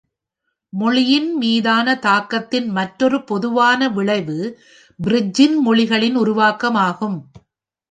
மொழியின் மீதான தாக்கத்தின் மற்றொரு பொதுவான விளைவு பிட்ஜின் மொழிகளின் உருவாக்கம் ஆகும்.